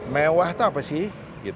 mewah itu apa sih